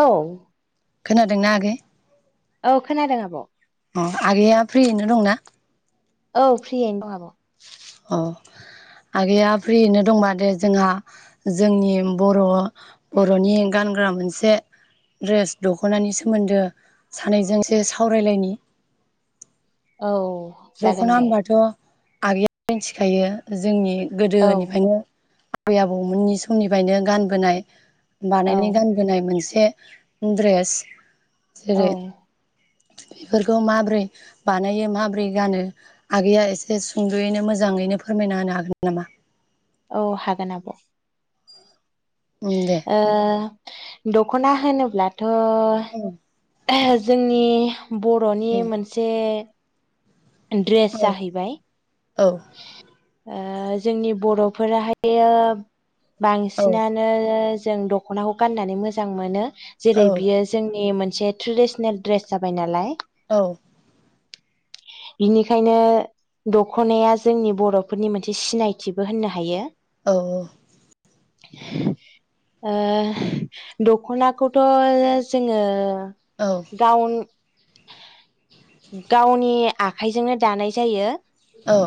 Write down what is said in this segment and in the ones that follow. औ खोनादोंना आगै? औ खोनादों आब। अ आगैया फ्रियैनो दंना? औ फ्रियैनो दं आब। अ आगैया फ्रियैनो दंबा दे जोंहा जोंनि बर' बर'नि गानग्रा मोनसे द्रेस दख'नानि सोमोन्दो सानैजोंसो सावरायलायनि। औ जागोन दख'ना दे होनबाथ' आगैया मिथिखायो जोंनि औ गोदोनिफ्रायनो आबै आबौमोननि समनिफ्रायनो गानबोनाय। औ बानायनाय गानबोनाय मोनसे। द्रेस औ बेफोरखौ माबोरै बानायो माबोरै गानो आगैया एसे सुंदयैनो मोजाङैनो फोरमायना होनो हागोन नामा? औ हागोन आब' उम दे ओ दख'ना होनोब्ला थ' उम [unintelligible] जोंनि बर'नि उम मोनसे ड्रेस औ जाहैबाय औ ओ जोंनि बर'फोराहायो औ बांसिनानो जों दख'नाखौ गाननानै मोजां मोनो। जेरै औ बियो जोंनि मोनसे जिहेतु ट्रेडिसनेल ड्रेस जाबाय नालाय। औ बिनिखायनो दख'नाया जोंनि बर'फोरनि मोनसे सिनायथिबो होननो हायो। औ औ दख'नाखौथ' जोङो औ दाउन गावनि आखाइजोंनो दानाय जायो। औ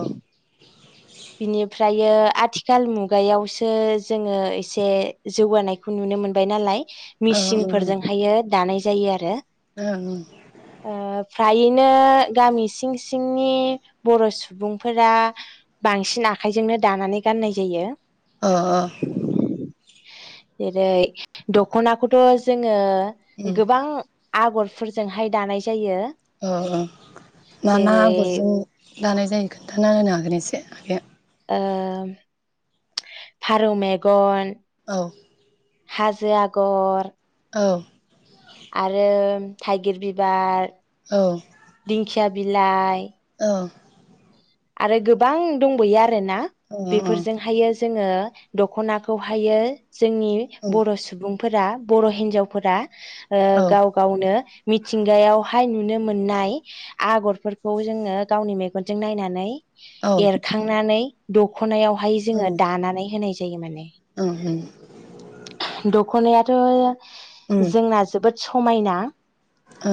बिनिफ्राइ आथिखाल मुगायावसो जोङो एसे जौगानायखौ नुनो मोनबाय नालाय। अ मिसिंफोरजोंहायो दानाय जायो आरो। ओं ओं ओ फ्रायैनो गामि सिं सिंनि बर' सुबुंफोरा बांसिन आखाइजोंनो दानानै गाननाय जायो। अ अ जेरै दख'नाखौथ' जोङो उम अ गोबां आगरफोरजोंहाय दानाय जायो। औ औ मा जेरै आगरजों दानाय जायो खोन्थाना होनो हागोन एसे ओ फारौ मेगन औ हाजो आगर औ आरो थाइगिर बिबार औ दिंखिया बिलाइ अ आरो गोबां दंबावयो आरो ना बेफोरजों हायो जोङो दखनाखौहायो जोंनि उम बर' सुबुं फोर बर' हिन्जावफोरा ओ औ गाव गावनो मिथिंगायाव हाय नुनो मोननाय आगरफोरखौ जोङो गावनि मेनजों नायनानै नै औ एरखांनानै दुख दखनायावहाय जोङो उम दानानै होनायज जायो माने उम दखनाया जया जोंना जोबोद समायना ओ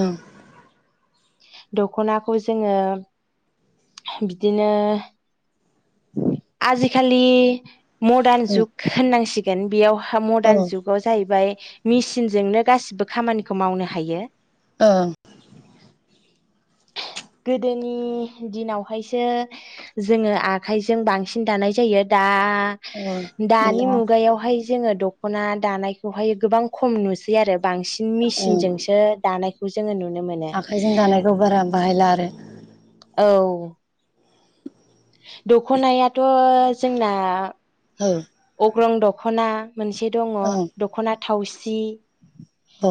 दखनाखौ जोङो बिदिनो आजिखालि मदार्न ओं जुग होननांसिग बेगेन बियावह हा औ मदार्न जुगाव जाहैबाय मिसिनजोंनो गासिबो खामानिखौ मावनो हायो। ओ गोदोनि दिनाव हायसो जोङो आखाइजों बांसिन दानाय जायो दा अ दानि दा मुगायावहाय जोङो दखना दानायखौहाय गोबां खम नुस सै आरो बांसिन ओं मिसिनजोंसो दानायखौ जोङो नुनो मोनो। आखाइजों दानायखौ बारा बाहायला आरो औ दखनायाथ' जोंना हो अग्रं दखना मोनसे दङ दखना थावसि अ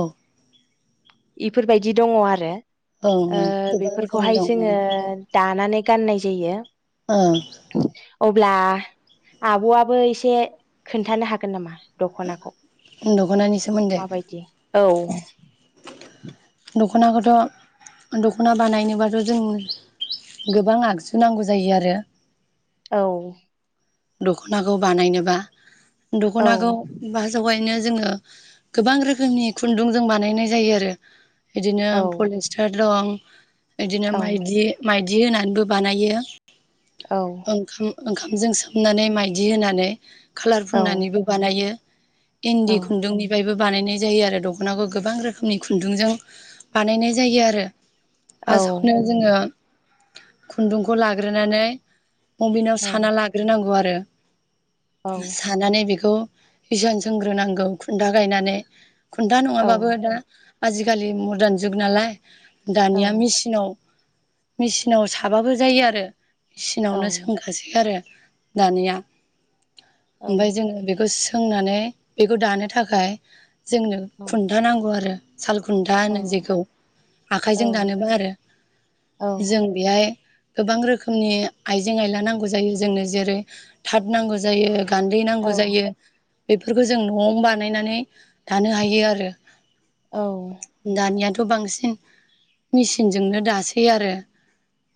इफोरबायदि दङ आरो ओं ओ ओं गोबां रोखोमनि बेफोरखौहाय दं जोङो माने दानानै गाननाय जायो ओ अब्ला आब'आबो एसे खोन्थानो हागोन नामा? दख'नाखौ दख'नानि सोमोन्दै माबायदि औ [unintelligible] दखनाखौथ' दख'ना बानायनोबाथ' जों गोबां आगजु नांगौ जायो आरो। औ दख'नाखौ बानायनोबा औ दखनाखौ बा जगायनो जोङो गोबां रोखोमनि खुन्दुं जों बानायनाय जायो आरो बिदिनो पलिस्टार दं बिदिनो औ माइदि माइद दि होनानैबो बानायो औ ओंखाम ओंखामजों स होननानै माइदि होनानै कालार औ फुननानैबो बानायो इन्दि खुन्दुंनिफ्रायबो बानायनाय जायो आरो दखनाखौ गोबां रोखोमनि खुन्दुंजों बानायनाय जायो आरो औ फासखौनो जोङो खुन्दुंखौ लाग्रोनानै अबिेनाव औ साना लाग्रो नांगौ आरो सानानै बेखौ इसान सोंग्रोनांगौ खुन्था गायनानै खुन्था नङाबाबो दा आजिखालि मदार्न जुग नालाय दानिया मेचिनाव मेचिनाव साबाबो जायो आरो औ मिसिनावनो सोंखासै आरो दानिया ओमफाय जोंङो बेखौसो सोंनानै बेखौ दानो थाखाय जोंनो खुन्था नांगौ आरो सालखुन्था होनो औ जेखौ आखाइजों दानोब्ला आरो औ जों बेहाय गोबां रोखोमनि आइजें आयला नांगौ जायो जोंनो जेरै थाद नांगौ जायो गान्दै नांगौ जायो बेफोरखौ जों नआवनो बानायनानै दानो हायो आरो औ दानियाथ' बांसिन मिचनजोंनो दासै आरो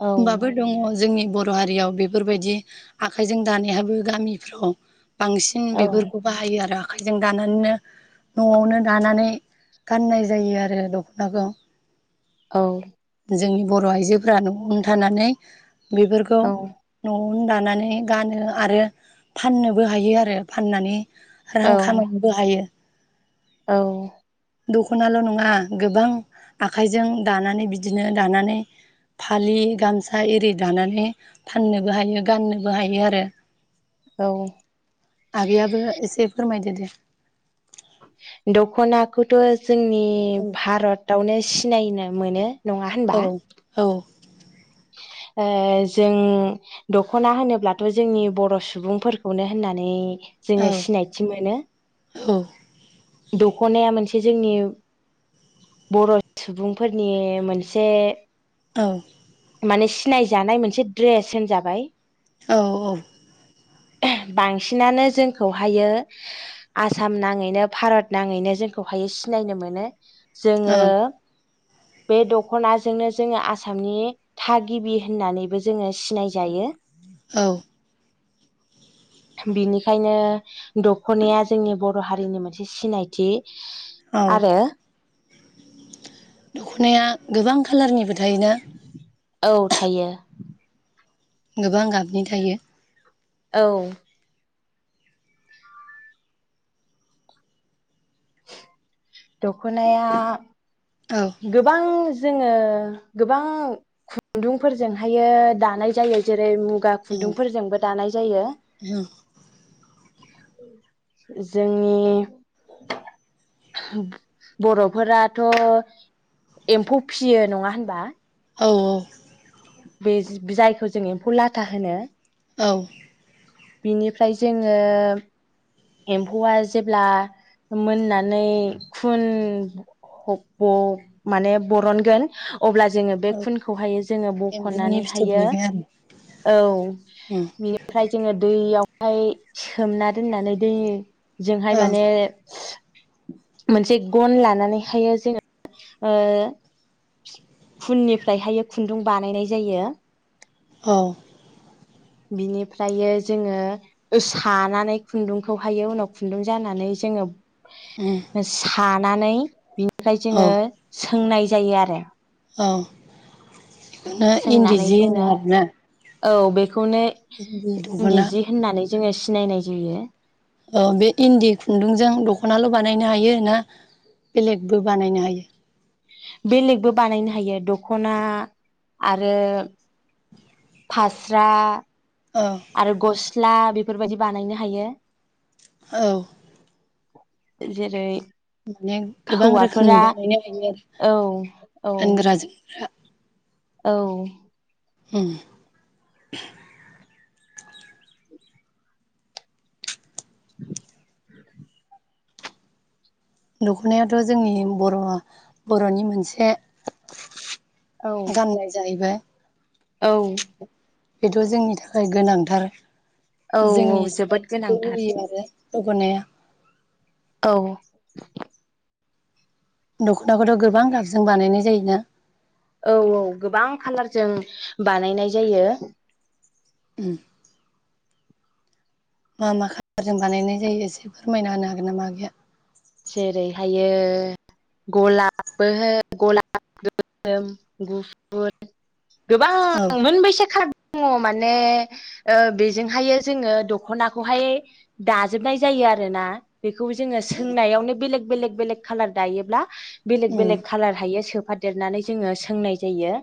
होमबाबो दङ जोंनि बर' हारियाव बेफोरबायदि आखाइजों दानायहाबो गामिफ्राव बांसिन औ बेफोरखौ बाहायो आरो। आखाइजों दानानैनो नआवनो दानानै गाननाय जायो आरो दखनाखौ। औ। जोंनि बरआइजोफोरा नआवनो थानानै। बेफोरखौ औ औ नआव उन दानानै गानो आरो फाननोबो हायो आरो फाननानै औ रां खामायनोबो हायो। औ। दखनाल नङा गोबां आखाइजों दानानै बिदिनो दानानै फालि गामसा एरि दानानै फाननोबो हायो गाननोबो हायो आरो। औ आगैयाबो एसे फोरमायदो। ए दे। दखनाखौथ। जोंनि औ भारतावनो। सिनायनो मोनो। नङा औ होनबा। औ ओ जों दखना होनोब्लाथ जोंनि बर सुबुंफोरखौनो होननानै औ जोंङो सिनायथि मोनो। औ। दखनाया मोनसे जोंनि बर सुबुंफोरनि मोनसे औ। माने सिनायजानाय मोनसे द्रेस होनजाबाय। औ औ। बांसिनानो जोंखौहायो आसाम नाङैनो भारत नाङैनो जोंखौहायो सिनायनो मोनो। जोङो ओं बे दख'नाजोंनो जोङो आसामनि थागिबि होननानैबो जोङो सिनायजायो। औ। बिनिखायनो दख'नाया जोंनि बर' हारिनि मोनसे सिनायथि। औ आरो। दखनाया गोबां कालारनिबो। थायोना। औ थायो। गोबां गाबनि थायो। औ। दखनाया औ गोबां। जोङो गोबां खुन्दुंफोरजोंहायो दानाय जायो जेरै गा औ खुन्दुंफोरजोंबो दानाय जायो जोंनि बर'फोराथ' एम्फौ फियो नङा होनबा? औ औ बे जायखौ जों एम्फौ लाथा होनो औ बिनिफ्राय जोङो एम्फौआ जेब्ला मोननानै खुन हह माने बरनगोन अब्ला जोङो बे औ खुनखौहायो जोङो एम्फौनि बखनानैहायो फिथोबनिफ्राय औ आरो बिनिफ्राय जोङो दैयाव ओमफाय सोमना दोननानै यै जोंहाय माने मोनसे गन लानानैहाय जोङो ओ फुननिफ्रायहायो खुन्दुं बानायनाय जायो औ बिनिफ्रायो जोङो सानानै खुन्दुं खौ हायो उनाव खुन्दुं जानानै जोङो औ सा नानै बि ओमफ्राय जोङो सा सोंनाय जायो आरो औ इखौनो इन्दि सोंनानै जि जोङो होनो आरोना औ बे खौनो इन्दि जि होननानै जोङो सिनायनाय जायो। औ बे इन्दि खुन्दुंजों दख'नाल' बानायनो हायो ना बेलेगबो बानायनो हायो बेलेगबो बानायनो हायो दखना आरो फास्रा औ आरो गस ला बेफोरबायादि बानायनो हायो। औ जेरै माने गोबां रोखोमनि हौवाफोरा बानायनो हायो औ आरो औ गानग्रा जोमग्रा औ ओम [inaudible] दख'नायाथ' जोंनि बर' बर'नि मोनसे औ गाननाय जाहैबा औ बेथ' जोंनि थाखाय गोनांथार औ जोंनि जोबोद सिनायथिखौ गोनांथार होयो आरो जौगानाय औ दख'नाखौथ' गोबां गाबजों बानायनाय जायोना। औ औ गोबां खाालारजों बानायनाय जायो। उम मा मा काललारजों बानायनाय जायो एसे फोरमायना होनो हागोन ना मा आगैया जेरैहायो गलाबबो हो गलाब गोसम गुफुर गोबां औ मोनबेसे खार दङ माने ओ बेजोंहायो जोङो दख'नाखौहाय दाजोबनाय जायो आरोना बेखौ जे सोंनायावनो बेलेग बेलेग बेलेग कालार दायोब्ला बेलेक उम बेलेग कालार हायो सोब फादेरनानै जोङो सोंनाय जायो।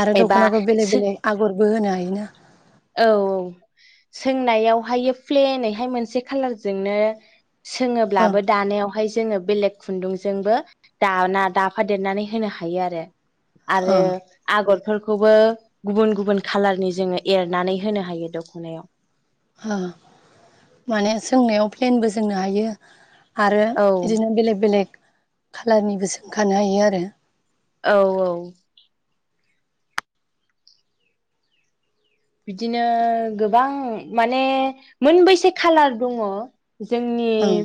आरो एबा दख'नाखौ बेलेग बेलग आगर बो होनो हायोना औ औ सोंनायावहाय प्लेनैहाय मोनसे खाालारजोंनो ओ सोङोब्लाबो दानायाव ओमफाय जोङो बेलेग खुन्दुंजोंबो दाना दाफादेरनानै होनो हायो आरो ओ आरो आगद फोरखौबो गुबुन गुबुन कालारनि जोङै एरनानै होनो हायो दखनायाव अ माने सोंनायाव प्लेनबो जोंनो हायो। आरो औ बिदिनो बेलेग बेलेक खालारनिबो सोंखानो हायो आरो औ औ बिदिनो गोबां माने मोनबैसे खालार दङ। जोंनि ओं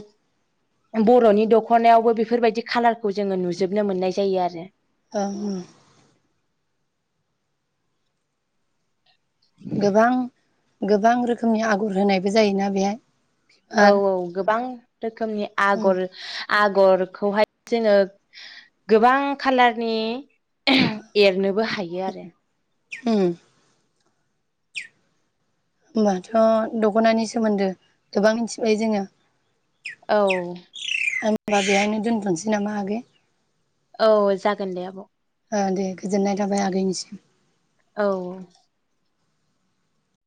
बर'नि दख'नायावबो बेफोरबायदि खाालारखौ जोङो नुजोबनो मोननाय जायो आरो ओ ओ गोबां गोबां रोखोमनि आगर होनायबो जायोना बेहाय औ आरो औ गोबां रोखोमनि उम आगर आगरखौहाय जोङो गोबां खालारनि एरनोबो हायो आरो ओम होनोमबाथ' दख'नानि सोमोन्दो गोबां मिथिबाय जोङो। औ होनोमबा बेहायनो दोनथ'नोसै नामा आगै औ जागोन दे आब' औ दे गोजोननाय थाबाय आगैनिसिम औ